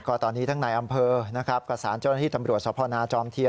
ก็ตอนนี้ทั้งในอำเภอก็สารเจ้าหน้าที่ตำรวจสนจเทียน